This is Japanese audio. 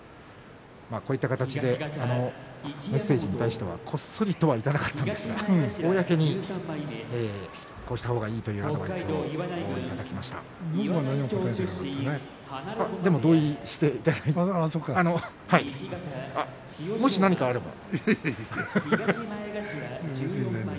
こういう形でメッセージに対してはこっそりとはいかなかったんですが公にこうした方がいいというもし、何かあれば。